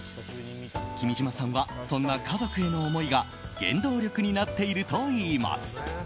君島さんはそんな家族への思いが原動力になっているといいます。